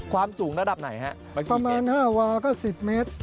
ความสูงระดับไหนฮะประมาณ๕วาก็๑๐เมตร